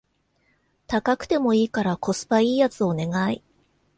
高くてもいいからコスパ良いやつお願い